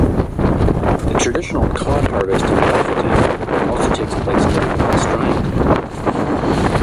The traditional cod harvest in Lofoten also takes place during the best drying time.